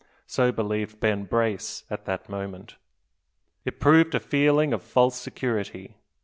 So believed Ben Brace at the moment. It proved a feeling of false security.